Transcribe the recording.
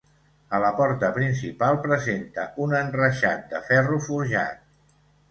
A la porta principal presenta un enreixat de ferro forjat.